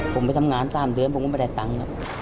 ผมไม่ทำงานตามเดือนผมไม่ได้ตังค์